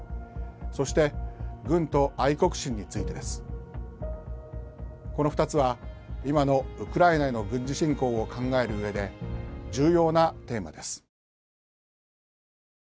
そして「軍と愛国心」についてです。この２つは今のウクライナへの軍事侵攻を考える上で重要なテーマです。